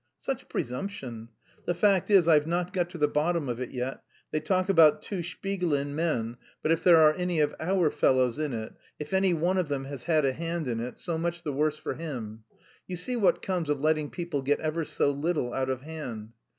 Such presumption!... The fact is, I've not got to the bottom of it yet, they talk about two Shpigulin men, but if there are any of our fellows in it, if any one of them has had a hand in it so much the worse for him! You see what comes of letting people get ever so little out of hand!